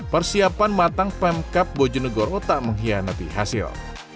persiapan matang pemkap bojo nagoro tak mengkhianati hasil